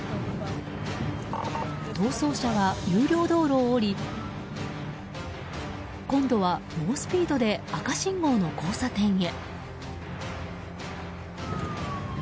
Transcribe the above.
逃走車は有料道路を下り今度は猛スピードで赤信号の交差点へ。